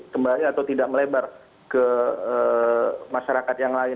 kembali atau tidak melebar ke masyarakat yang lain